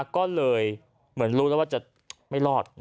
ก็เลยเหมือนรู้แล้วว่าจะไม่รอด